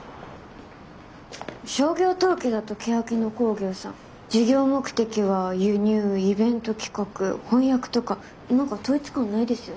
商業登記だとけやき野興業さん事業目的は輸入イベント企画翻訳とか何か統一感ないですよね。